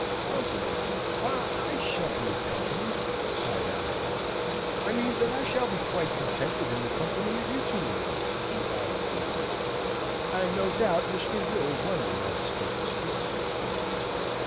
"Company! ah! I shan't need company," sighed out Harry. "I mean that I shall be quite contented in the company of you two ladies," he added, eagerly; and no doubt Mr. Will wondered at his cousin's taste.